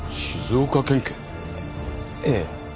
ええ。